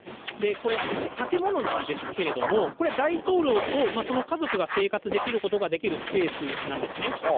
これ、建物なんですけれども、これ、大統領とその家族が生活することができるスペースなんですね。